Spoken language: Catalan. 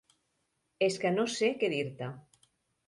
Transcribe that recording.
És que no sé què dir-te.